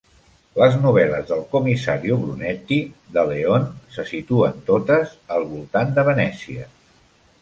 Les novel·les del Commissario Brunetti de Leon se situen totes al voltant de Venècia.